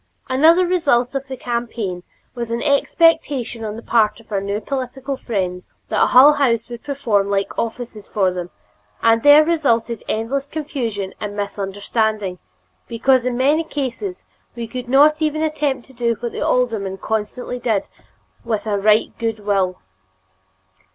Another result of the campaign was an expectation on the part of our new political friends that Hull House would perform like offices for them, and there resulted endless confusion and misunderstanding because in many cases we could not even attempt to do what the alderman constantly did with a right good will.